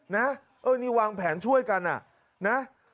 นี่วางแผนช่วยกัน